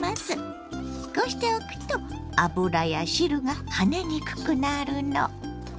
こうしておくと油や汁が跳ねにくくなるの。